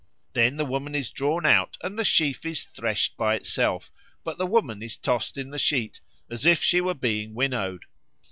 Then the woman is drawn out and the sheaf is threshed by itself, but the woman is tossed in the sheet, as if she were being winnowed.